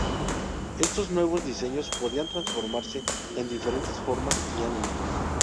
Estos nuevos diseños podían transformarse en diferentes formas y ángulos.